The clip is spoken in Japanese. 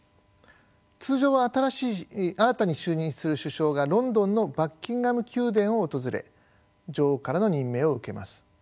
通常は新たに就任する首相がロンドンのバッキンガム宮殿を訪れ女王からの任命を受けます。